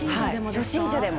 初心者でも。